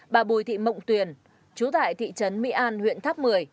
bà bùi thị mộng tuyền chú tại thị trấn mỹ an huyện tháp mười